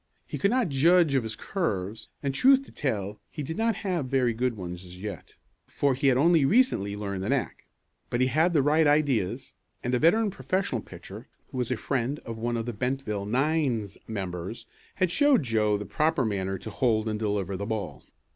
He could not judge of his curves, and, truth to tell he did not have very good ones as yet, for he had only recently learned the knack. But he had the right ideas and a veteran professional pitcher, who was a friend of one of the Bentville nine's members, had showed Joe the proper manner to hold and deliver the ball.